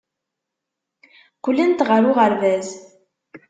Qqlent ɣer uɣerbaz.